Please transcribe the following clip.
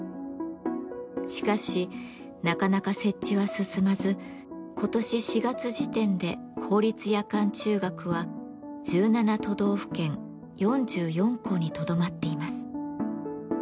しかしなかなか設置は進まず今年４月時点で公立夜間中学は１７都道府県４４校にとどまっています。